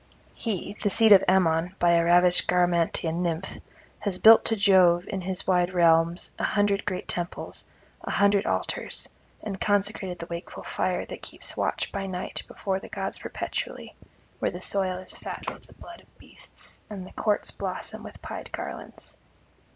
He, the seed of Ammon by a ravished Garamantian Nymph, had built to Jove in his wide realms an hundred great temples, an hundred altars, and consecrated the wakeful fire that keeps watch by night before the gods perpetually, where the soil is fat with blood of beasts and the courts blossom with pied garlands.